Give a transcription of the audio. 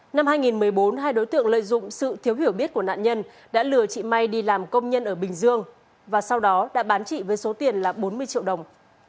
năm hai nghìn một mươi bốn hai đối tượng lợi dụng sự thiếu hiểu biết của nạn nhân đã lừa chị mai đi làm công nhân ở bình dương và sau đó đã bán chị với số tiền là bốn mươi triệu đồng